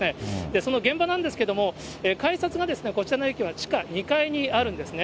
その現場なんですけれども、改札がこちらの駅は地下２階にあるんですね。